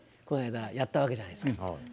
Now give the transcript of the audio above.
この間やったわけじゃないですか。